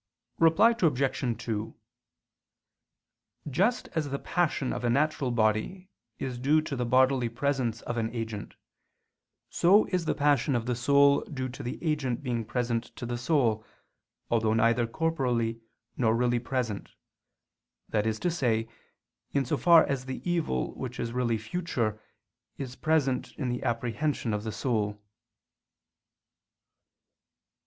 Reply Obj. 2: Just as the passion of a natural body is due to the bodily presence of an agent, so is the passion of the soul due to the agent being present to the soul, although neither corporally nor really present: that is to say, in so far as the evil which is really future, is present in the apprehension of the soul.